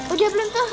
udah belum kak